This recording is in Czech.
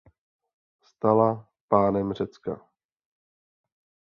Stala pánem Řecka.